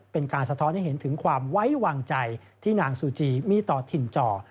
เป็นการสะท้อนให้เห็นถึงความไว้วางใจที่นางซูจีมีต่อถิ่นจอ